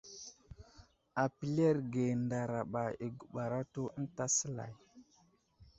Apəleerge ndaraba i guɓar atu ənta səlay.